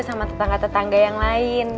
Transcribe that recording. sama tetangga tetangga yang lain